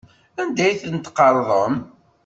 Anda ay tent-tqerḍem?